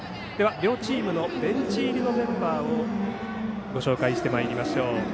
両チームのベンチ入りのメンバーをご紹介してまいりましょう。